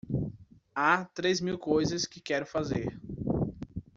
Há três mil coisas que quero fazer.